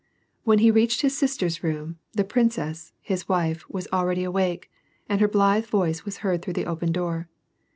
When he reached his sister's room, the princess, his wife, was already awake, and her blithe voice was heard through tlie open door.